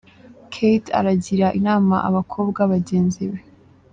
Kate aragira inama abakobwa bagenzi be.